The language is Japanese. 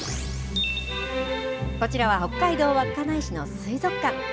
こちらは北海道稚内市の水族館。